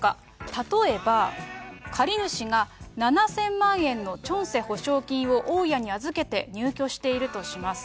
例えば、借り主が７０００万円のチョンセ保証金を大家に預けて入居しているとします。